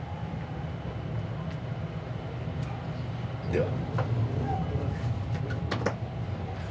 では。